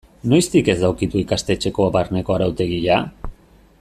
Noiztik ez da ukitu ikastetxeko barneko arautegia?